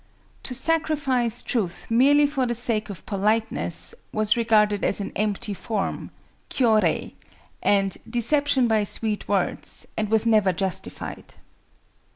To sacrifice truth merely for the sake of politeness was regarded as an "empty form" (kyo rei) and "deception by sweet words," and was never justified.